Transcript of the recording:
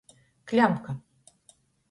Kļamka.